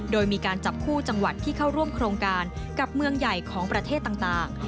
โดยมีการจับคู่จังหวัดที่เข้าร่วมโครงการกับเมืองใหญ่ของประเทศต่าง